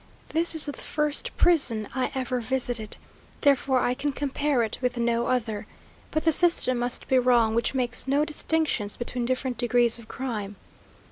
This is the first prison I ever visited, therefore I can compare it with no other; but the system must be wrong which makes no distinctions between different degrees of crime.